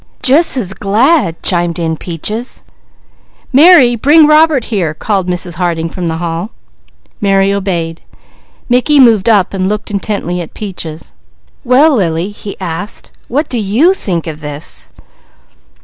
"Jus' as glad!" chimed in Peaches. "Mary bring Robert here!" called Mrs. Harding from the hall. Mary obeyed. Mickey moved up and looked intently at Peaches. "Well Lily," he asked, "what do you think of this?"